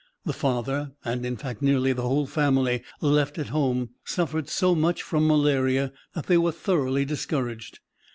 The father and, in fact, nearly the whole family left at home suffered so much from malaria that they were thoroughly discouraged.